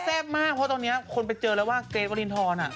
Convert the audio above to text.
มากเพราะตอนนี้คนไปเจอแล้วว่าเกรทวรินทร